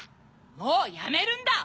もうやめるんだ！